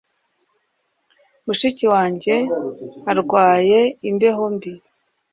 Mushiki wanjye arwaye imbeho mbi.